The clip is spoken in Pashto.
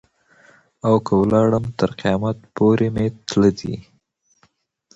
او که ولاړم تر قیامت پوري مي تله دي.